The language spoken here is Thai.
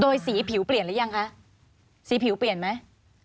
โดยสีผิวเปลี่ยนหรือยังคะสีผิวเปลี่ยนไหม